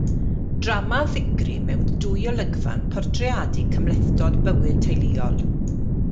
Drama ddigri mewn dwy olygfa yn portreadu cymhlethdod bywyd teuluol.